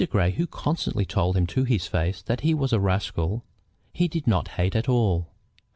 Grey, who constantly told him to his face that he was a rascal, he did not hate at all.